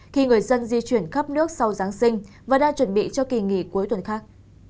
khi người dân di chuyển khắp nước sau giáng sinh và đang chuẩn bị cho kỳ nghỉ cuối tuần khác